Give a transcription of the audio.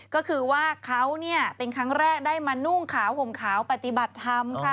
ก็คือว่าเขาเนี่ยเป็นครั้งแรกได้มานุ่งขาวห่มขาวปฏิบัติธรรมค่ะ